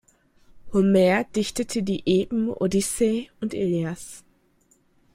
Homer dichtete die Epen Odyssee und Ilias.